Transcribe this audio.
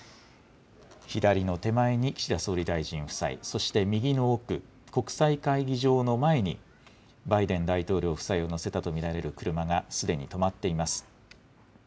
左の手前に岸田総理大臣夫妻、そして右の奥、国際会議場の前にバイデン大統領夫妻を乗せたと見られる車がすでに止まっています。